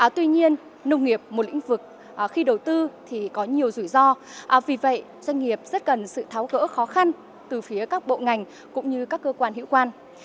tuy nhiên nông nghiệp một lĩnh vực khi đầu tư thì có nhiều rủi ro vì vậy doanh nghiệp rất cần sự tháo gỡ khó khăn từ phía các bộ ngành cũng như các cơ quan hữu quan